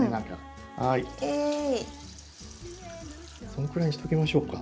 そのくらいにしておきましょうか。